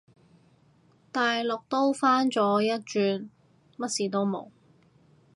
大陸都返咗一轉，乜事都冇